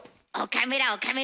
岡村岡村。